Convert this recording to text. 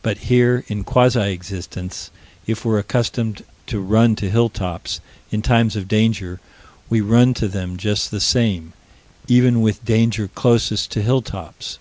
But here, in quasi existence, if we're accustomed to run to hilltops, in times of danger, we run to them just the same, even with danger closest to hilltops.